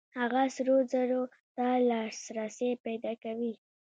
هغه سرو زرو ته لاسرسی پیدا کوي.